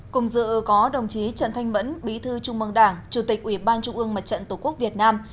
cùng dự có đồng chí trần thanh mẫn bí thư trung mương đảng chủ tịch ủy ban trung ương mặt trận tổ quốc việt nam